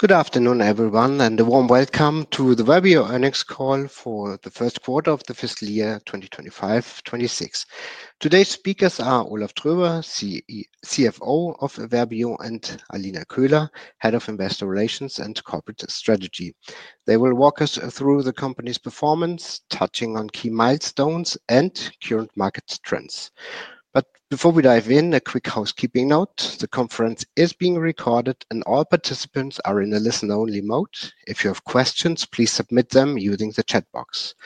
Good afternoon, everyone, and a warm welcome to the Verbio Earnings Call for the First Quarter of the Fiscal Year 2025-2026. Today's speakers are Olaf Tröber, CFO of Verbio, and Alina Köhler, Head of Investor Relations and Corporate Strategy. They will walk us through the company's performance, touching on key milestones and current market trends. Before we dive in, a quick housekeeping note: the conference is being recorded, and all participants are in a listen-only mode. If you have questions, please submit them using the chat box.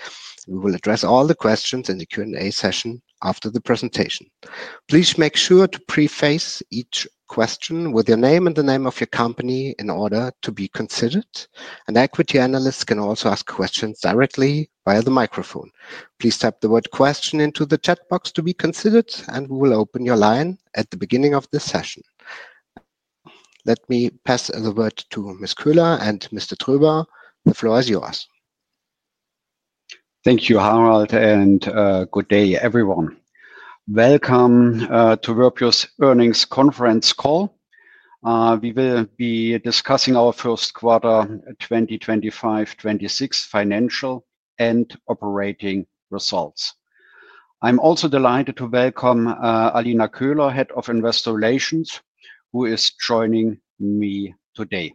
We will address all the questions in the Q&A session after the presentation. Please make sure to preface each question with your name and the name of your company in order to be considered. Equity analysts can also ask questions directly via the microphone. Please type the word "question" into the chat box to be considered, and we will open your line at the beginning of this session. Let me pass the word to Ms. Köhler and Mr. Tröber. The floor is yours. Thank you, Harald, and good day, everyone. Welcome to Verbio's earnings conference call. We will be discussing our first quarter 2025-2026 financial and operating results. I'm also delighted to welcome Alina Köhler, Head of Investor Relations, who is joining me today.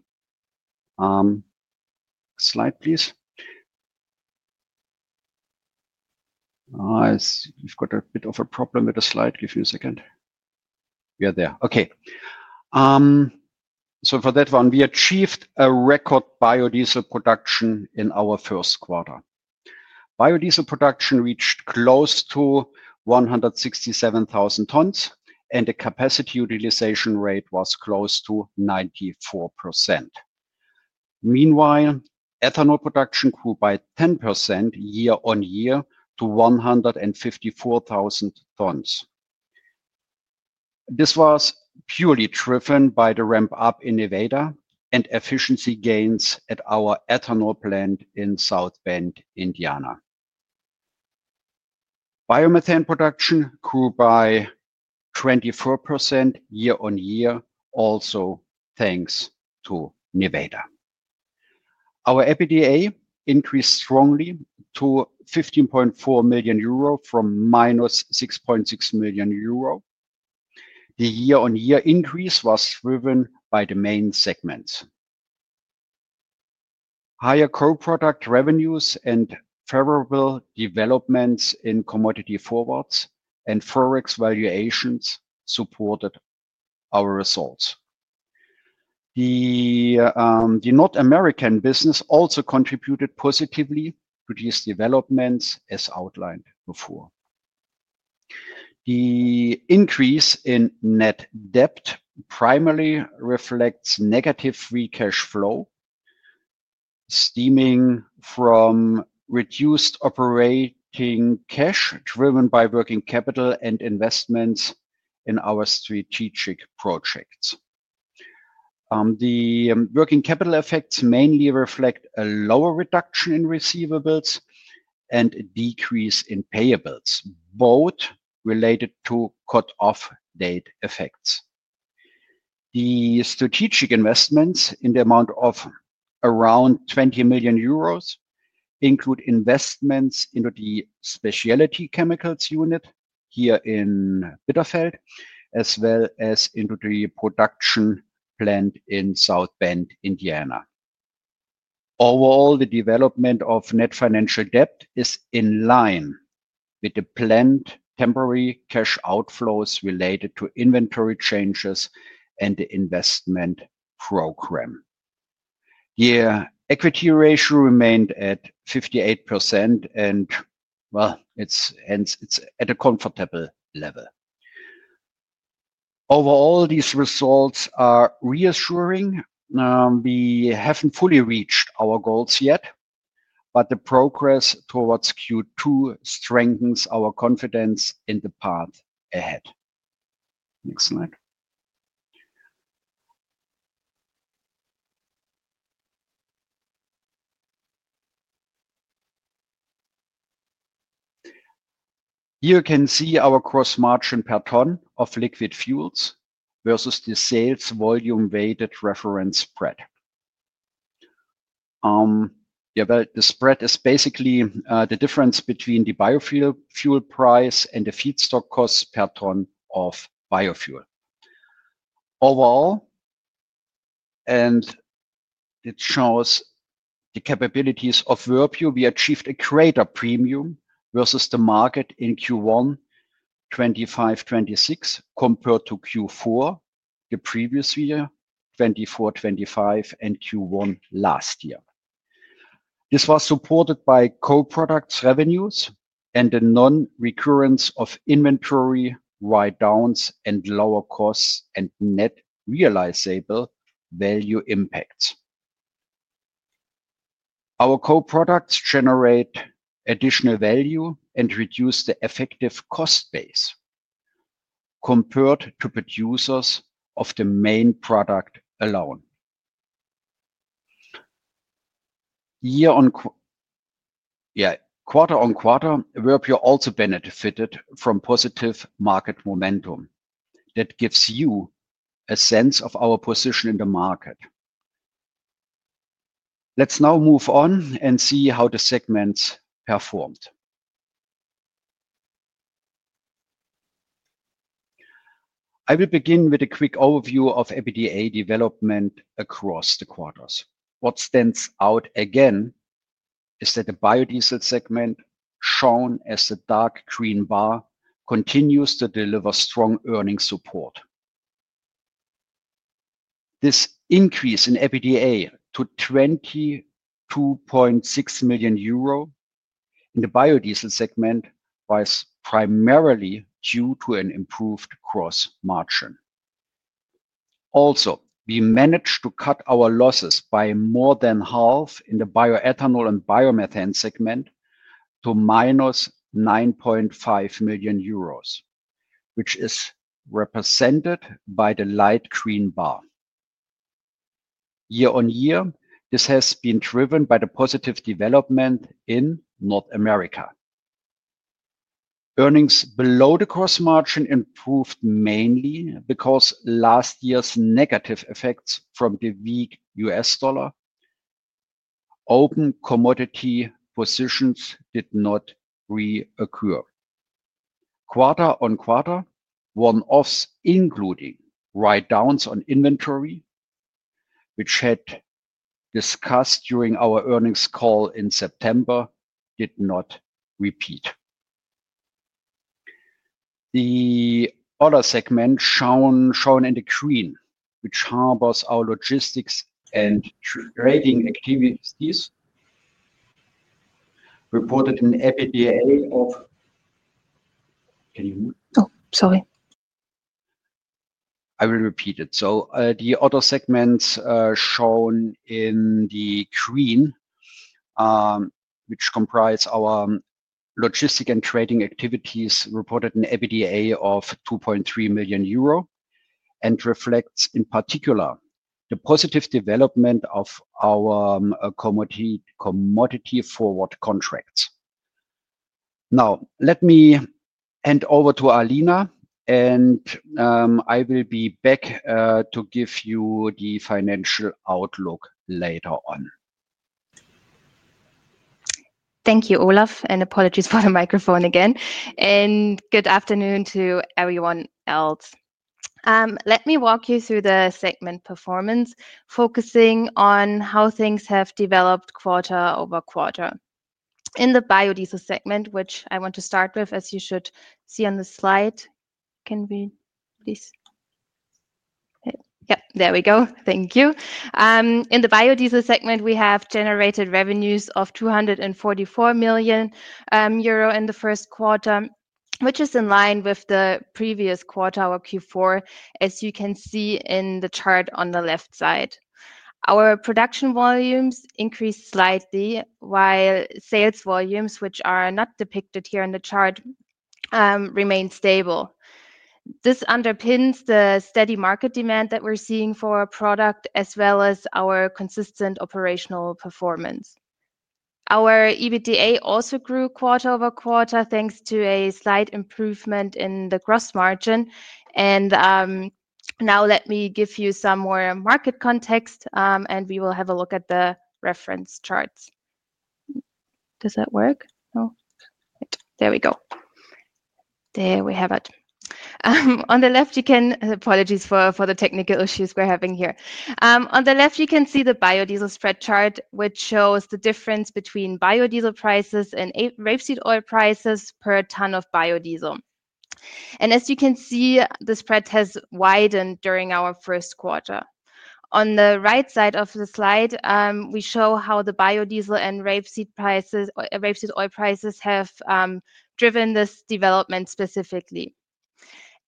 Slide, please. We've got a bit of a problem with the slide. Give me a second. We are there. Okay. For that one, we achieved a record biodiesel production in our first quarter. Biodiesel production reached close to 167,000 tons, and the capacity utilization rate was close to 94%. Meanwhile, ethanol production grew by 10% year-on-year to 154,000 tons. This was purely driven by the ramp-up in Nevada and efficiency gains at our ethanol plant in South Bend, Indiana. Biomethane production grew by 24% year-on-year, also thanks to Nevada. Our EPDA increased strongly to 15.4 million euro from 6.6 million euro. The year-on-year increase was driven by the main segments. Higher co-product revenues and favorable developments in commodity forwards and forex valuations supported our results. The North American business also contributed positively to these developments, as outlined before. The increase in net debt primarily reflects negative free cash flow, stemming from reduced operating cash driven by working capital and investments in our strategic projects. The working capital effects mainly reflect a lower reduction in receivables and a decrease in payables, both related to cut-off date effects. The strategic investments in the amount of 20 million euros include investments into the specialty chemicals unit here in Bitterfeld, as well as into the production plant in South Bend, Indiana. Overall, the development of net financial debt is in line with the planned temporary cash outflows related to inventory changes and the investment program. The equity ratio remained at 58%, and it is at a comfortable level. Overall, these results are reassuring. We haven't fully reached our goals yet, but the progress towards Q2 strengthens our confidence in the path ahead. Next slide. Here you can see our gross margin per ton of liquid fuels versus the sales volume-weighted reference spread. Yeah, the spread is basically the difference between the biofuel price and the feedstock cost per ton of biofuel. Overall, and it shows the capabilities of Verbio, we achieved a greater premium versus the market in Q1 2025-2026 compared to Q4 the previous year, 2024-2025, and Q1 last year. This was supported by co-products revenues and the non-recurrence of inventory write-downs and lower costs and net realizable value impacts. Our co-products generate additional value and reduce the effective cost base compared to producers of the main product alone. Yeah, quarter on quarter, Verbio also benefited from positive market momentum. That gives you a sense of our position in the market. Let's now move on and see how the segments performed. I will begin with a quick overview of EPDA development across the quarters. What stands out again is that the biodiesel segment, shown as the dark green bar, continues to deliver strong earnings support. This increase in EPDA to 22.6 million euro in the biodiesel segment was primarily due to an improved gross margin. Also, we managed to cut our losses by more than half in the bioethanol and biomethane segment to minus 9.5 million euros, which is represented by the light green bar. Year-on-year, this has been driven by the positive development in North America. Earnings below the gross margin improved mainly because of last year's negative effects from the weak US dollar. Open commodity positions did not reoccur. Quarter on quarter, one-offs including write-downs on inventory, which had been discussed during our earnings call in September, did not repeat. The other segment shown in the green, which harbors our logistics and trading activities, reported an EPDA of. Oh, sorry. I will repeat it. The other segments shown in the green, which comprise our logistic and trading activities, reported an EBITDA of 2.3 million euro and reflects, in particular, the positive development of our commodity forward contracts. Now, let me hand over to Alina, and I will be back to give you the financial outlook later on. Thank you, Olaf, and apologies for the microphone again. Good afternoon to everyone else. Let me walk you through the segment performance, focusing on how things have developed quarter over quarter. In the biodiesel segment, which I want to start with, as you should see on the slide. Can we, please? Yeah, there we go. Thank you. In the biodiesel segment, we have generated revenues of 244 million euro in the first quarter, which is in line with the previous quarter, or Q4, as you can see in the chart on the left side. Our production volumes increased slightly, while sales volumes, which are not depicted here in the chart, remained stable. This underpins the steady market demand that we're seeing for our product, as well as our consistent operational performance. Our EBITDA also grew quarter over quarter, thanks to a slight improvement in the gross margin. Now, let me give you some more market context, and we will have a look at the reference charts. Does that work? No? There we go. There we have it. On the left, you can—apologies for the technical issues we are having here. On the left, you can see the biodiesel spread chart, which shows the difference between biodiesel prices and rapeseed oil prices per ton of biodiesel. As you can see, the spread has widened during our first quarter. On the right side of the slide, we show how the biodiesel and rapeseed oil prices have driven this development specifically.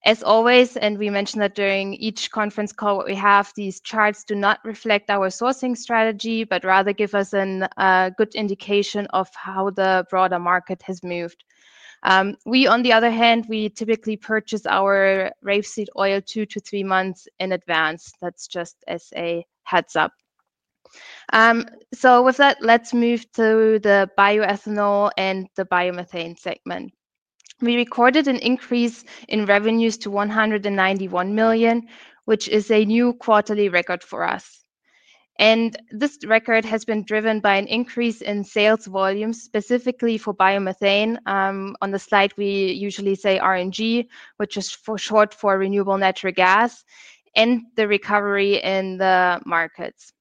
As always, and we mentioned that during each conference call, we have these charts do not reflect our sourcing strategy, but rather give us a good indication of how the broader market has moved. We, on the other hand, we typically purchase our rapeseed oil two to three months in advance. That's just as a heads-up. With that, let's move to the bioethanol and the biomethane segment. We recorded an increase in revenues to 191 million, which is a new quarterly record for us. This record has been driven by an increase in sales volumes, specifically for biomethane. On the slide, we usually say RNG, which is short for renewable natural gas, and the recovery in the markets.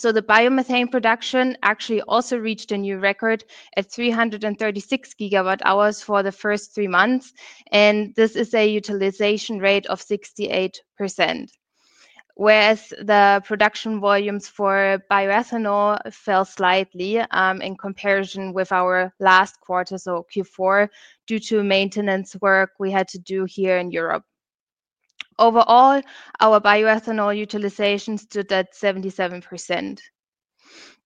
The biomethane production actually also reached a new record at 336 gigawatt-hours for the first three months, and this is a utilization rate of 68%, whereas the production volumes for bioethanol fell slightly in comparison with our last quarter, so Q4, due to maintenance work we had to do here in Europe. Overall, our bioethanol utilization stood at 77%.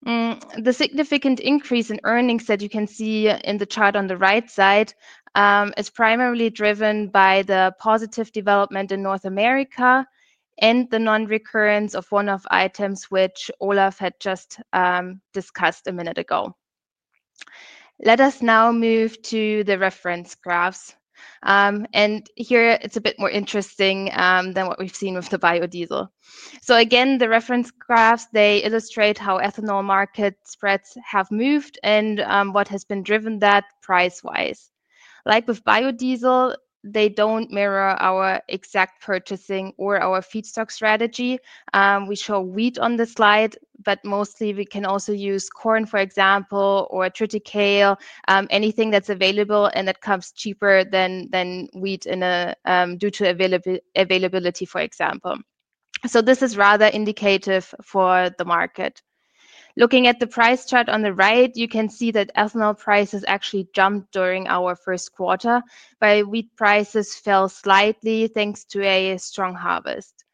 The significant increase in earnings that you can see in the chart on the right side is primarily driven by the positive development in North America and the non-recurrence of one of the items which Olaf had just discussed a minute ago. Let us now move to the reference graphs. Here, it is a bit more interesting than what we have seen with the biodiesel. Again, the reference graphs illustrate how ethanol market spreads have moved and what has been driven that price-wise. Like with biodiesel, they do not mirror our exact purchasing or our feedstock strategy. We show wheat on the slide, but mostly we can also use corn, for example, or triticale, anything that is available and that comes cheaper than wheat due to availability, for example. This is rather indicative for the market. Looking at the price chart on the right, you can see that ethanol prices actually jumped during our first quarter, while wheat prices fell slightly thanks to a strong harvest.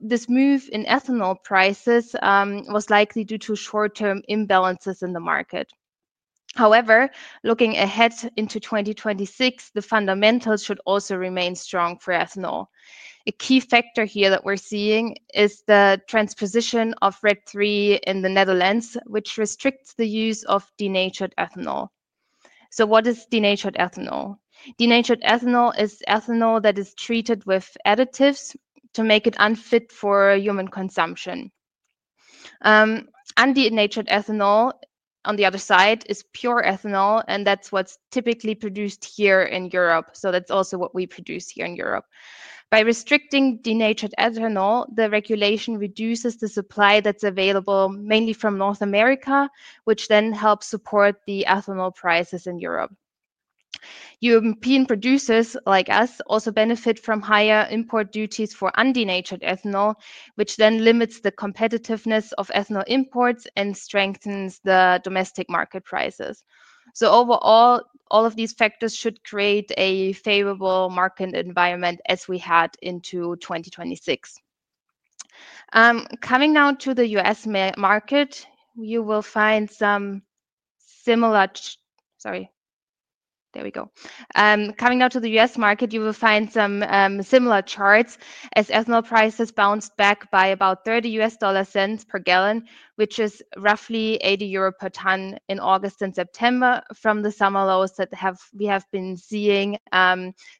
This move in ethanol prices was likely due to short-term imbalances in the market. However, looking ahead into 2026, the fundamentals should also remain strong for ethanol. A key factor here that we're seeing is the transposition of RED III in the Netherlands, which restricts the use of denatured ethanol. What is denatured ethanol? Denatured ethanol is ethanol that is treated with additives to make it unfit for human consumption. Undenatured ethanol, on the other side, is pure ethanol, and that's what's typically produced here in Europe. That's also what we produce here in Europe. By restricting denatured ethanol, the regulation reduces the supply that's available mainly from North America, which then helps support the ethanol prices in Europe. European producers, like us, also benefit from higher import duties for undenatured ethanol, which then limits the competitiveness of ethanol imports and strengthens the domestic market prices. Overall, all of these factors should create a favorable market environment as we head into 2026. Coming now to the U.S. market, you will find some similar—sorry, there we go. Coming now to the U.S. market, you will find some similar charts as ethanol prices bounced back by about $0.30 per gallon, which is roughly 80 euro per ton in August and September from the summer lows that we have been seeing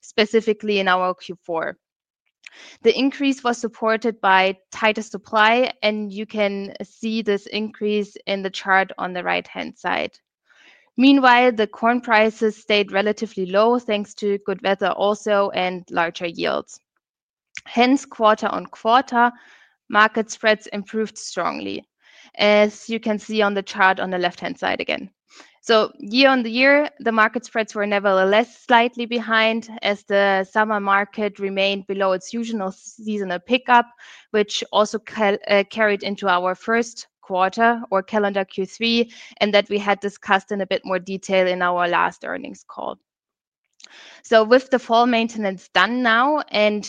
specifically in our Q4. The increase was supported by tighter supply, and you can see this increase in the chart on the right-hand side. Meanwhile, the corn prices stayed relatively low thanks to good weather also and larger yields. Hence, quarter on quarter, market spreads improved strongly, as you can see on the chart on the left-hand side again. Year on year, the market spreads were nevertheless slightly behind as the summer market remained below its usual seasonal pickup, which also carried into our first quarter, or calendar Q3, and that we had discussed in a bit more detail in our last earnings call. With the fall maintenance done now and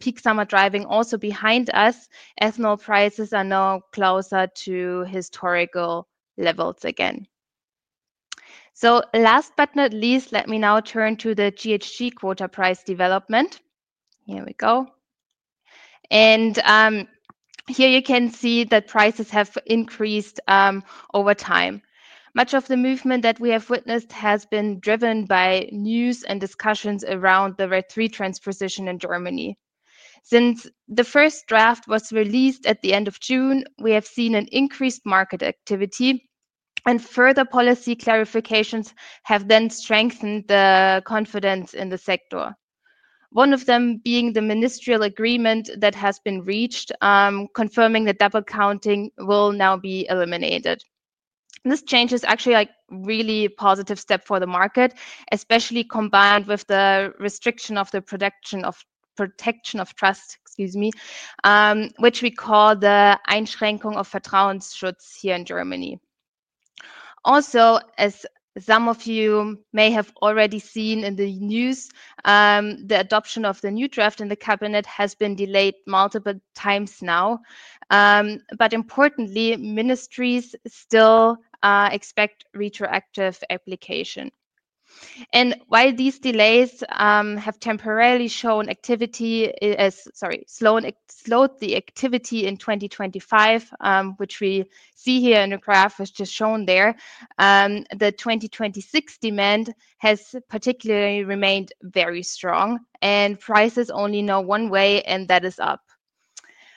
peak summer driving also behind us, ethanol prices are now closer to historical levels again. Last but not least, let me now turn to the GHG quota price development. Here we go. Here you can see that prices have increased over time. Much of the movement that we have witnessed has been driven by news and discussions around the RED III transposition in Germany. Since the first draft was released at the end of June, we have seen increased market activity, and further policy clarifications have then strengthened the confidence in the sector, one of them being the ministerial agreement that has been reached, confirming that double counting will now be eliminated. This change is actually a really positive step for the market, especially combined with the restriction of the protection of trust, excuse me, which we call the Einschränkung of Vertrauensschutz here in Germany. Also, as some of you may have already seen in the news, the adoption of the new draft in the cabinet has been delayed multiple times now. Importantly, ministries still expect retroactive application. While these delays have temporarily slowed the activity in 2025, which we see here in the graph which is shown there, the 2026 demand has particularly remained very strong, and prices only know one way, and that is up.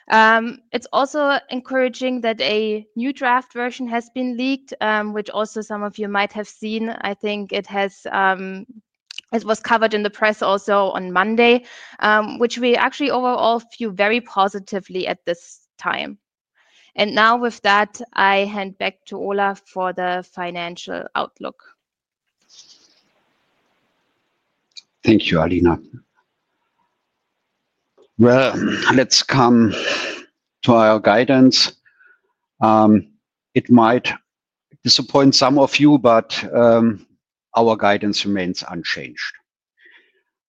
It is also encouraging that a new draft version has been leaked, which also some of you might have seen. I think it was covered in the press also on Monday, which we actually overall view very positively at this time. Now with that, I hand back to Olaf for the financial outlook. Thank you, Alina. Let's come to our guidance. It might disappoint some of you, but our guidance remains unchanged.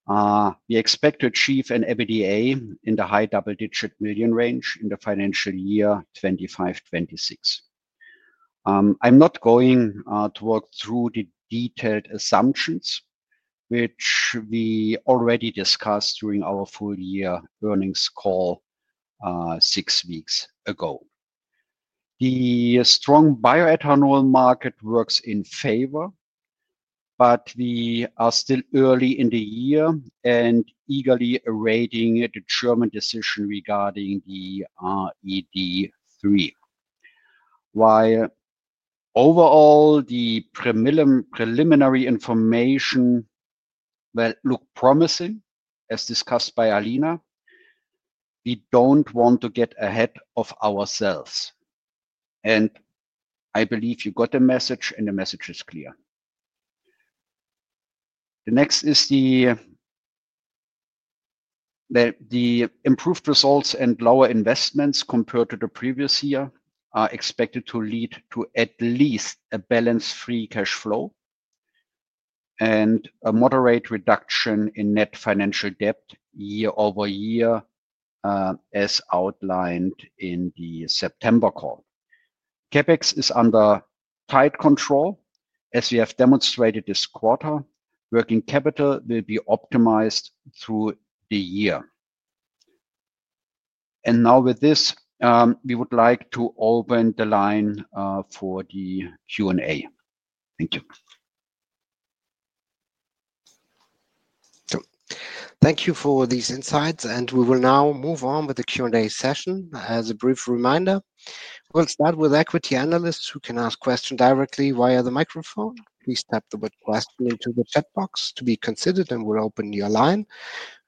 We expect to achieve an EPDA in the high double-digit million range in the financial year 2025/2026. I'm not going to walk through the detailed assumptions, which we already discussed during our full-year earnings call six weeks ago. The strong bioethanol market works in favor, but we are still early in the year and eagerly awaiting the German decision regarding the RED III. While overall, the preliminary information looks promising, as discussed by Alina, we don't want to get ahead of ourselves. I believe you got the message, and the message is clear. The next is the improved results and lower investments compared to the previous year are expected to lead to at least a balance-free cash flow and a moderate reduction in net financial debt year over year, as outlined in the September call. CapEx is under tight control, as we have demonstrated this quarter. Working capital will be optimized through the year. With this, we would like to open the line for the Q&A. Thank you. Thank you for these insights, and we will now move on with the Q&A session. As a brief reminder, we'll start with equity analysts who can ask questions directly via the microphone. Please type the word "question" into the chat box to be considered, and we'll open your line.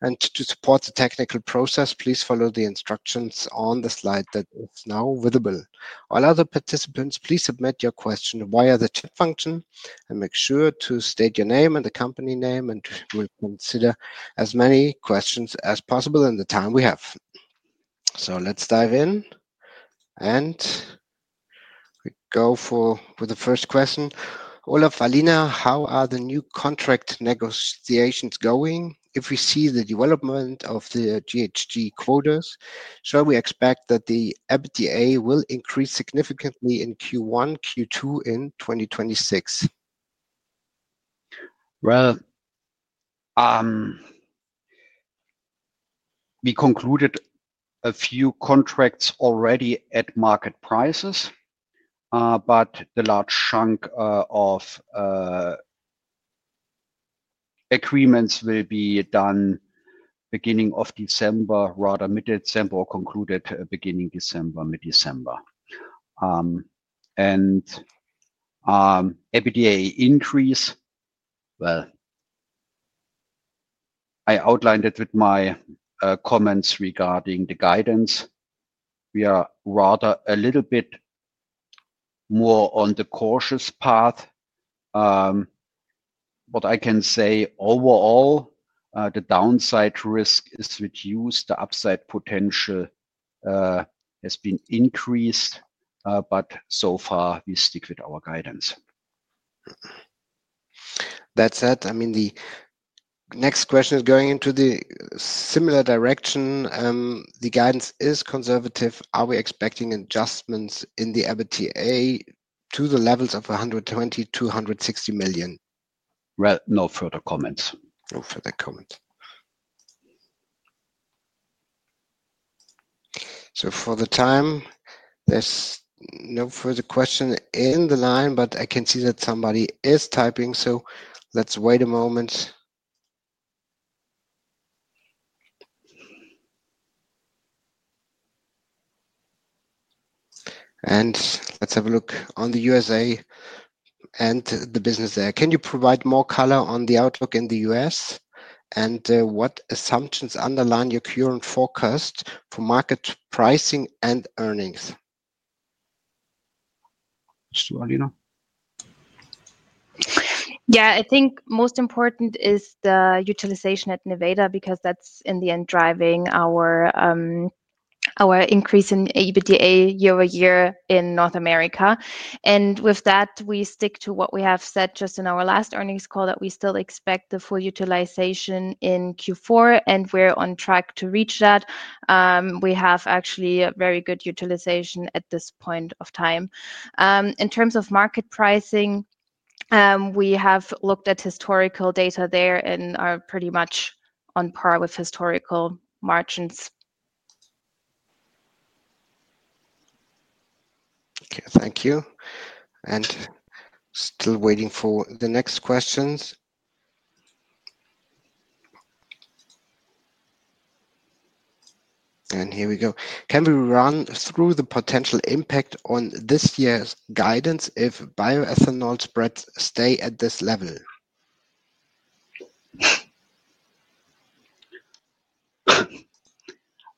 To support the technical process, please follow the instructions on the slide that is now visible. While other participants, please submit your question via the chat function and make sure to state your name and the company name, and we'll consider as many questions as possible in the time we have. Let's dive in, and we go for the first question. Olaf, Alina, how are the new contract negotiations going? If we see the development of the GHG quotas, shall we expect that the EPDA will increase significantly in Q1, Q2 in 2026? We concluded a few contracts already at market prices, but the large chunk of agreements will be done beginning of December, rather mid-December, or concluded beginning December, mid-December. EPDA increase, I outlined it with my comments regarding the guidance. We are rather a little bit more on the cautious path. What I can say overall, the downside risk is reduced. The upside potential has been increased, but so far, we stick with our guidance. That said, I mean, the next question is going into the similar direction. The guidance is conservative. Are we expecting adjustments in the EPDA to the levels of 120 million-160 million? No further comments. No further comments. For the time, there's no further question in the line, but I can see that somebody is typing, so let's wait a moment. Let's have a look on the U.S.A. and the business there. Can you provide more color on the outlook in the U.S. and what assumptions underline your current forecast for market pricing and earnings? Yeah, I think most important is the utilization at Nevada because that's, in the end, driving our increase in EBITDA year over year in North America. With that, we stick to what we have said just in our last earnings call that we still expect the full utilization in Q4, and we're on track to reach that. We have actually very good utilization at this point of time. In terms of market pricing, we have looked at historical data there and are pretty much on par with historical margins. Okay, thank you. Still waiting for the next questions. Here we go. Can we run through the potential impact on this year's guidance if bioethanol spreads stay at this level?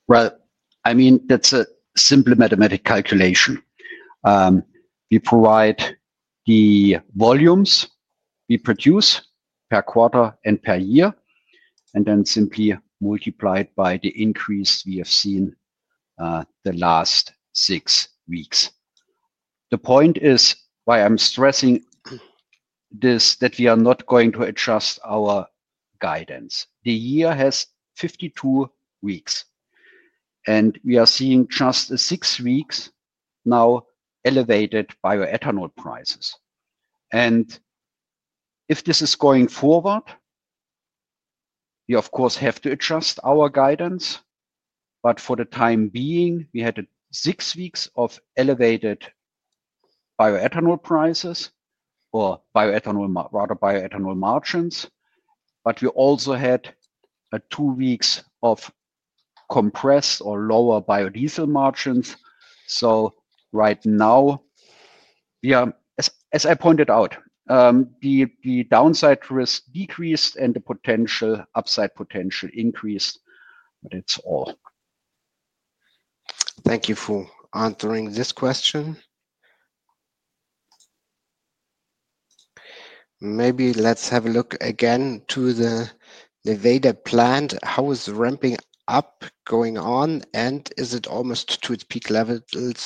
I mean, that's a simple mathematic calculation. We provide the volumes we produce per quarter and per year, and then simply multiply it by the increase we have seen the last six weeks. The point is why I'm stressing this, that we are not going to adjust our guidance. The year has 52 weeks, and we are seeing just six weeks now elevated bioethanol prices. If this is going forward, we, of course, have to adjust our guidance. For the time being, we had six weeks of elevated bioethanol prices or bioethanol, rather bioethanol margins, but we also had two weeks of compressed or lower biodiesel margins. Right now, as I pointed out, the downside risk decreased and the potential upside potential increased, but that's all. Thank you for answering this question. Maybe let's have a look again to the Nevada plant. How is the ramping up going on, and is it almost to its peak levels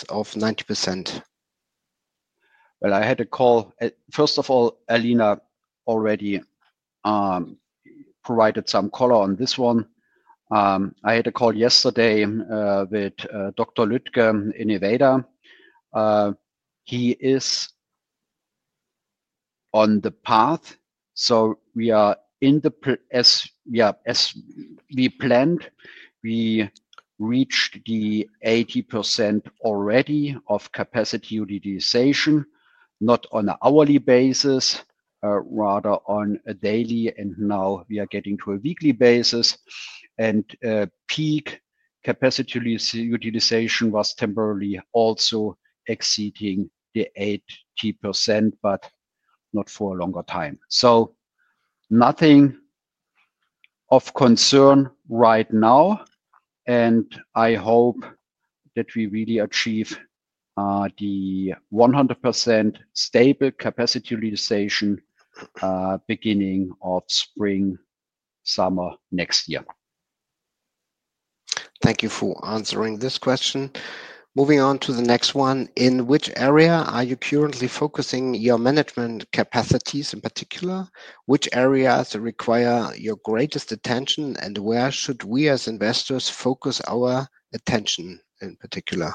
of 90%? I had a call. First of all, Alina already provided some color on this one. I had a call yesterday with Dr. Lütke in Nevada. He is on the path. We are in the, yeah, as we planned, we reached the 80% already of capacity utilization, not on an hourly basis, rather on a daily, and now we are getting to a weekly basis. Peak capacity utilization was temporarily also exceeding the 80%, but not for a longer time. Nothing of concern right now, and I hope that we really achieve the 100% stable capacity utilization beginning of spring/summer next year. Thank you for answering this question. Moving on to the next one. In which area are you currently focusing your management capacities in particular? Which areas require your greatest attention, and where should we as investors focus our attention in particular?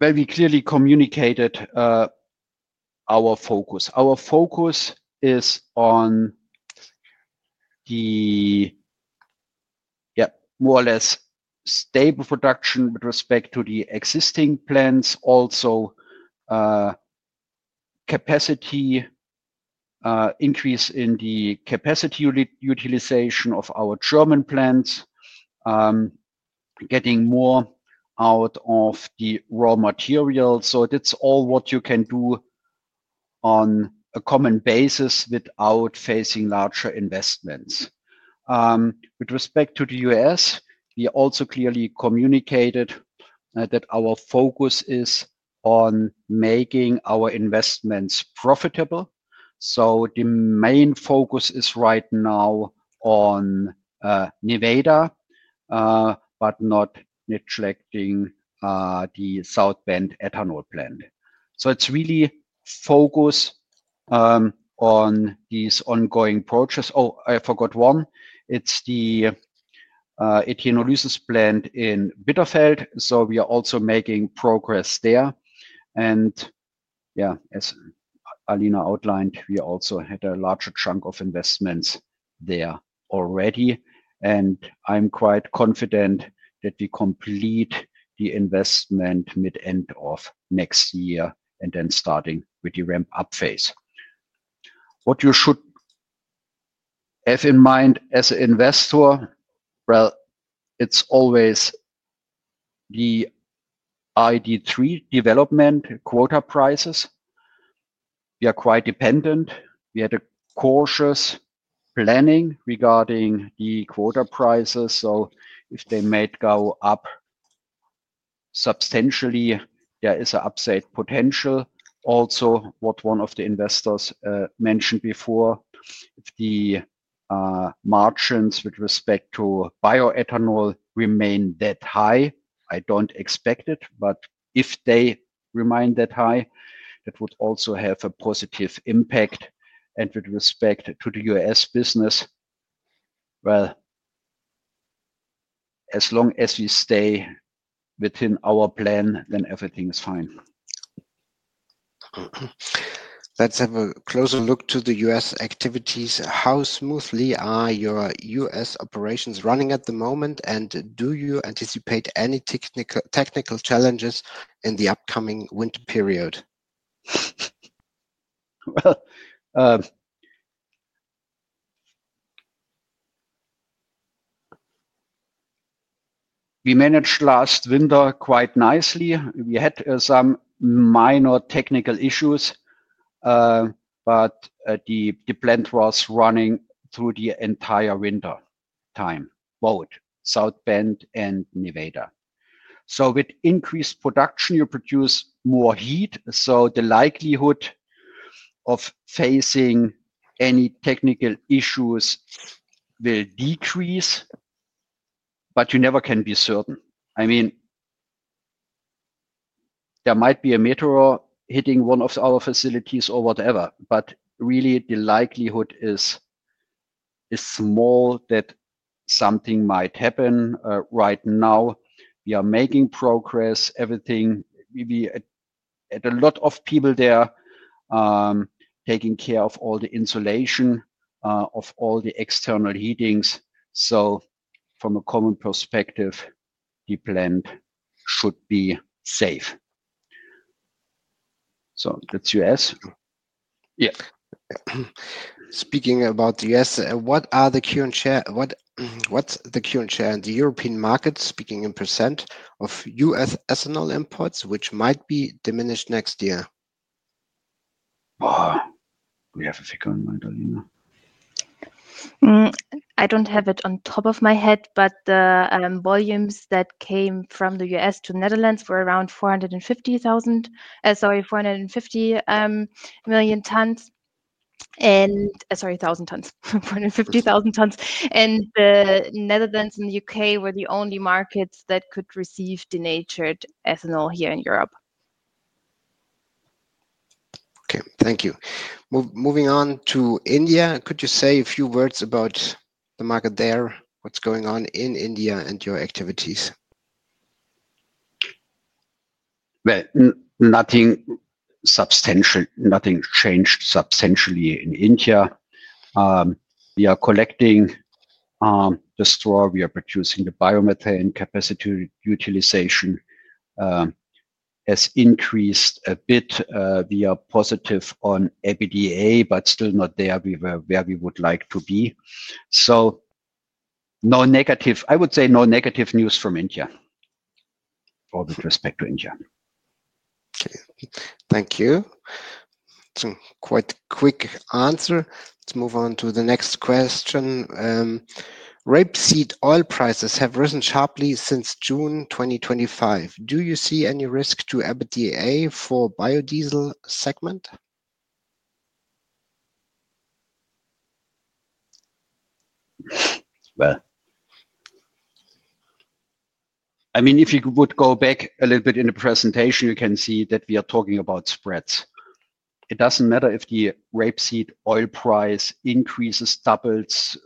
We clearly communicated our focus. Our focus is on the, yeah, more or less stable production with respect to the existing plants, also capacity increase in the capacity utilization of our German plants, getting more out of the raw materials. That is all what you can do on a common basis without facing larger investments. With respect to the U.S., we also clearly communicated that our focus is on making our investments profitable. The main focus is right now on Nevada, but not neglecting the South Bend ethanol plant. It is really focus on these ongoing projects. Oh, I forgot one. It is the ethanol uses plant in Bitterfeld. We are also making progress there. Yeah, as Alina outlined, we also had a larger chunk of investments there already. I'm quite confident that we complete the investment mid-end of next year and then starting with the ramp-up phase. What you should have in mind as an investor, it's always the RED III development quota prices. We are quite dependent. We had a cautious planning regarding the quota prices. If they might go up substantially, there is an upside potential. Also, what one of the investors mentioned before, the margins with respect to bioethanol remain that high. I don't expect it, but if they remain that high, that would also have a positive impact and with respect to the U.S. business. As long as we stay within our plan, then everything is fine. Let's have a closer look to the US activities. How smoothly are your U.S. operations running at the moment, and do you anticipate any technical challenges in the upcoming winter period? We managed last winter quite nicely. We had some minor technical issues, but the plant was running through the entire winter time, both South Bend and Nevada. With increased production, you produce more heat. The likelihood of facing any technical issues will decrease, but you never can be certain. I mean, there might be a meteor hitting one of our facilities or whatever, but really the likelihood is small that something might happen. Right now, we are making progress. We had a lot of people there taking care of all the insulation of all the external heatings. From a common perspective, the plant should be safe. That is U.S. Yeah. Speaking about the U.S., what are the current share? What's the current share in the European markets, speaking in %, of U.S. ethanol imports, which might be diminished next year? We have a second, Alina. I don't have it on top of my head, but the volumes that came from the US to the Netherlands were around 450,000, sorry, 450 million tons. Sorry, 1,000 tons, 450,000 tons. The Netherlands and the U.K. were the only markets that could receive denatured ethanol here in Europe. Okay, thank you. Moving on to India, could you say a few words about the market there, what is going on in India and your activities? Nothing changed substantially in India. We are collecting the straw, we are producing the biomethane. Capacity utilization has increased a bit. We are positive on EPDA, but still not there where we would like to be. No negative, I would say no negative news from India or with respect to India. Okay, thank you. It's a quite quick answer. Let's move on to the next question. Rapeseed oil prices have risen sharply since June 2025. Do you see any risk to EPDA for the biodiesel segment? I mean, if you would go back a little bit in the presentation, you can see that we are talking about spreads. It does not matter if the rapeseed oil price increases, doubles,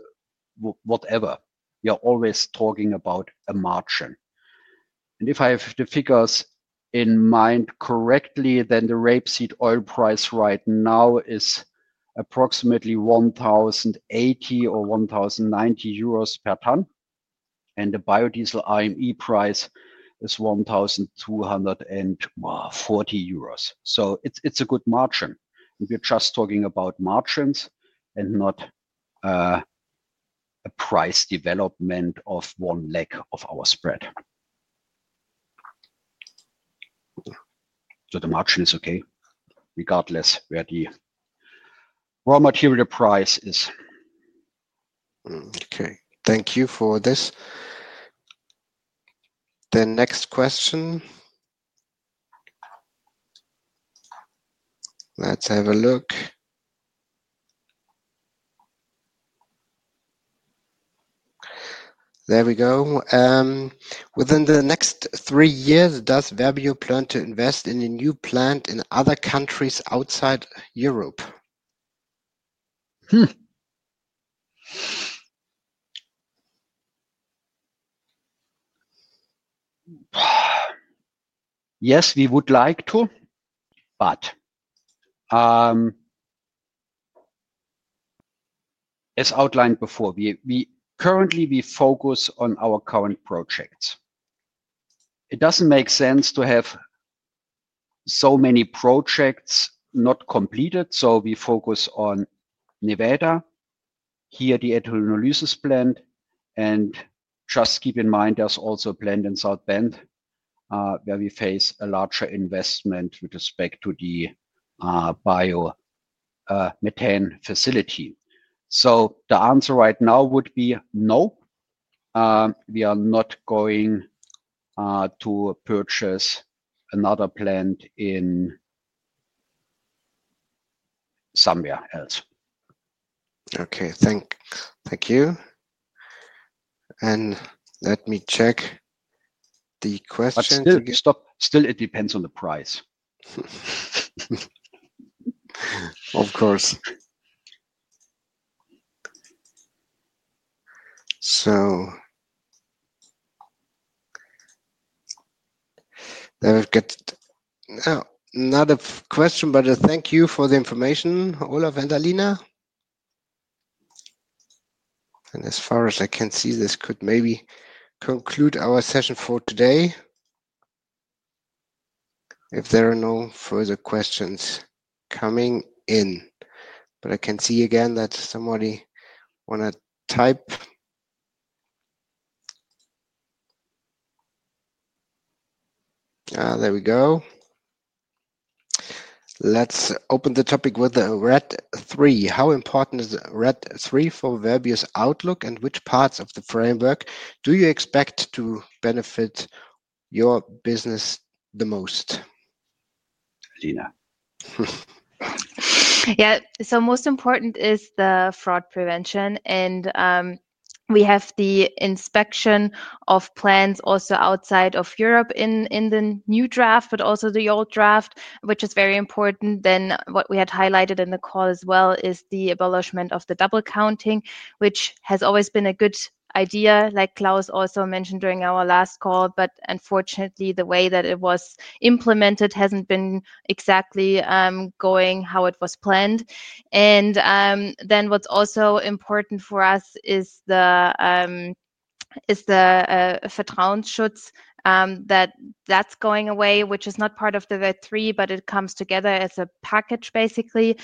whatever. We are always talking about a margin. And if I have the figures in mind correctly, then the rapeseed oil price right now is approximately 1,080 or 1,090 euros per ton. And the biodiesel IME price is 1,240 euros. It is a good margin. We are just talking about margins and not a price development of one leg of our spread. The margin is okay regardless where the raw material price is. Okay, thank you for this. The next question. Let's have a look. There we go. Within the next three years, does Verbio plan to invest in a new plant in other countries outside Europe? Yes, we would like to, but as outlined before, currently we focus on our current projects. It does not make sense to have so many projects not completed. We focus on Nevada, here the ethanol uses plant, and just keep in mind there is also a plant in South Bend where we face a larger investment with respect to the biomethane facility. The answer right now would be no. We are not going to purchase another plant somewhere else. Okay, thank you. Let me check the question. Still, it depends on the price. Of course. There we've got another question, but thank you for the information, Olaf and Alina. As far as I can see, this could maybe conclude our session for today if there are no further questions coming in. I can see again that somebody wants to type. There we go. Let's open the topic with the RED III. How important is RED III for Verbio's outlook, and which parts of the framework do you expect to benefit your business the most? Alina. Yeah, so most important is the fraud prevention. We have the inspection of plants also outside of Europe in the new draft, but also the old draft, which is very important. Then what we had highlighted in the call as well is the abolishment of the double counting, which has always been a good idea, like Klaus also mentioned during our last call, but unfortunately, the way that it was implemented has not been exactly going how it was planned. What is also important for us is the Vertrauensschutz, that that is going away, which is not part of the RED III, but it comes together as a package, basically.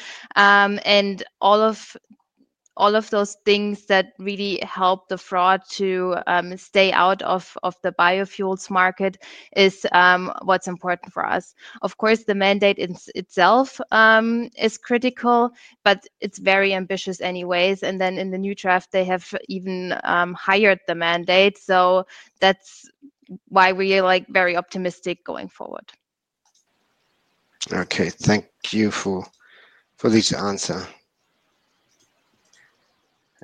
All of those things that really help the fraud to stay out of the biofuels market is what is important for us. Of course, the mandate itself is critical, but it is very ambitious anyways. In the new draft, they have even highered the mandate. That's why we are very optimistic going forward. Okay, thank you for these answers.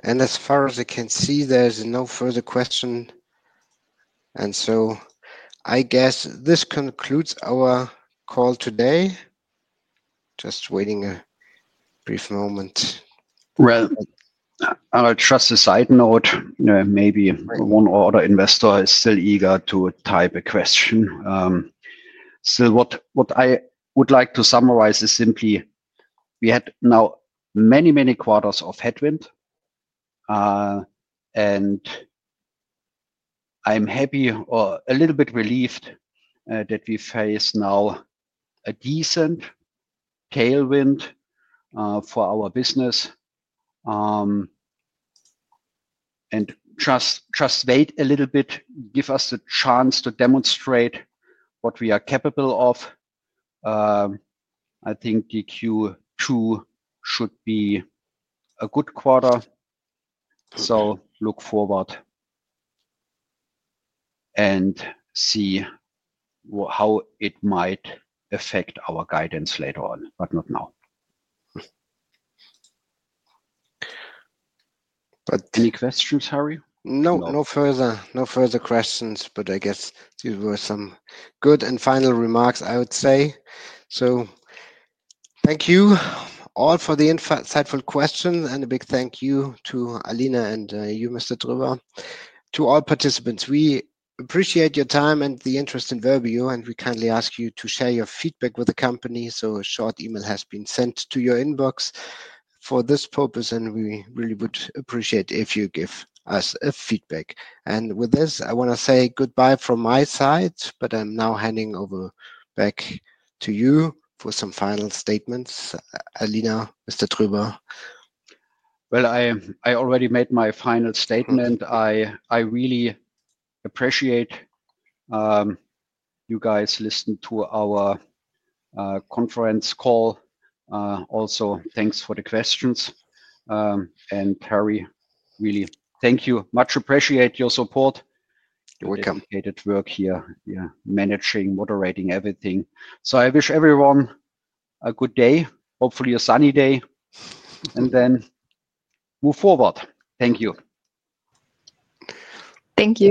As far as I can see, there's no further question. I guess this concludes our call today. Just waiting a brief moment. will trust as a side note, maybe one or other investor is still eager to type a question. What I would like to summarize is simply we had now many, many quarters of headwind. I am happy or a little bit relieved that we face now a decent tailwind for our business. Just wait a little bit, give us a chance to demonstrate what we are capable of. I think Q2 should be a good quarter. Look forward and see how it might affect our guidance later on, but not now. But. Any questions, Harald? No, no further questions, but I guess these were some good and final remarks, I would say. Thank you all for the insightful questions and a big thank you to Alina and you, Mr. Tröber. To all participants, we appreciate your time and the interest in Verbio, and we kindly ask you to share your feedback with the company. A short email has been sent to your inbox for this purpose, and we really would appreciate it if you give us feedback. With this, I want to say goodbye from my side, but I am now handing over back to you for some final statements. Alina, Mr. Tröber. I already made my final statement. I really appreciate you guys listening to our conference call. Also, thanks for the questions. And Harald, really thank you much, appreciate your support. You're welcome. Your dedicated work here, managing, moderating everything. I wish everyone a good day, hopefully a sunny day, and then move forward. Thank you. Thank you.